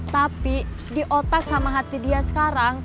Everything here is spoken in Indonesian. tapi di otak sama hati dia sekarang